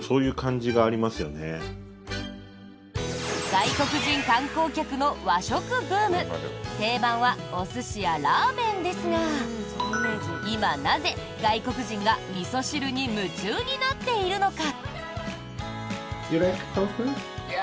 外国人観光客の和食ブーム定番はお寿司やラーメンですが今、なぜ外国人がみそ汁に夢中になっているのか。